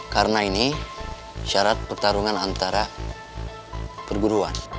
karena ini syarat pertarungan antara perguruan